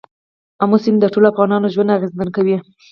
آمو سیند د ټولو افغانانو ژوند اغېزمن کوي.